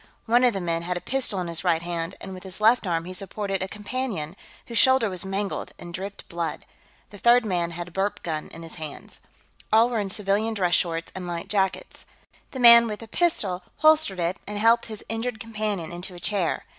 One of the men had a pistol in his right hand, and with his left arm he supported a companion, whose shoulder was mangled and dripped blood. The third man had a burp gun in his hands. All were in civilian dress shorts and light jackets. The man with the pistol holstered it and helped his injured companion into a chair.